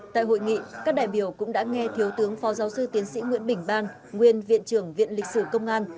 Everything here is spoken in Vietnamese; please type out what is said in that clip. tại hội nghị các đại biểu cũng đã nghe thiếu tướng phó giáo sư tiến sĩ nguyễn bình ban nguyên viện trưởng viện lịch sử công an